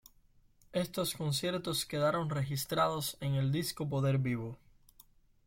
Estos conciertos quedaron registrados en el disco Poder vivo.